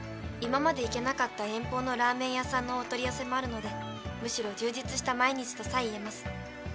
今まで行けなかった遠方のラーメン屋さんのお取り寄せもあるのでむしろ充実した毎日とさえ言えます。